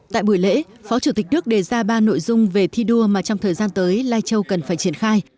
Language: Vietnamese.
tại buổi lễ phó chủ tịch nước đề ra ba nội dung về thi đua mà trong thời gian tới lai châu cần phải triển khai